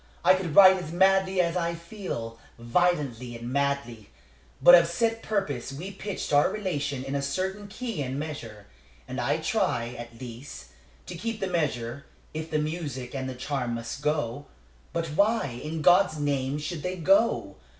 I could write as madly as I feel violently and madly. But of set purpose we pitched our relation in a certain key and measure; and I try, at least, to keep the measure, if the music and the charm must go. But why, in God's name, should they go?